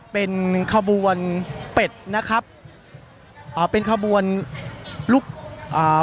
เป็นขบวนเป็ดนะครับอ่าเป็นขบวนลูกอ่า